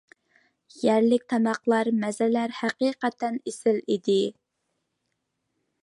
يەرلىك تاماقلار، مەزەلەر ھەقىقەتەن ئېسىل ئىدى.